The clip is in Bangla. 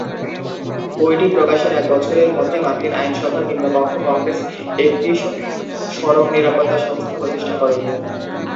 বইটি প্রকাশের এক বছরের মধ্যে মার্কিন আইনসভার নিম্নকক্ষ কংগ্রেস একটি সড়ক নিরাপত্তা সংস্থা প্রতিষ্ঠা করে।